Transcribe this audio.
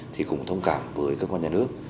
thì cũng thông cảm với các quan nhà nước